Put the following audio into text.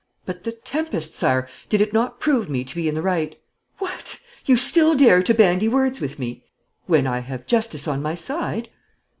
'But the tempest, Sire! Did it not prove me to be in the right?' 'What! You still dare to bandy words with me?' 'When I have justice on my side.'